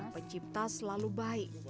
pencipta selalu baik